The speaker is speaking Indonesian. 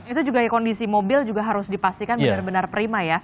itu juga ya kondisi mobil juga harus dipastikan benar benar prima ya